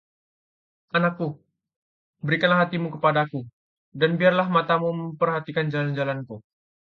Anakku, berikanlah hatimu kepadaku, dan biarlah matamu memperhatikan jalan-jalanku.